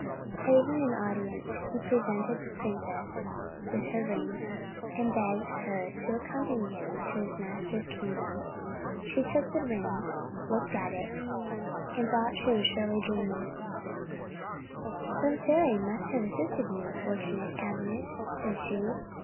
Craving an audience, he presented the princess with her ring, and begged her to accompany him to his master's kingdom. She took the ring, looked at it, and thought she was surely dreaming. "Some fairy must have assisted you, fortunate Avenant," said she.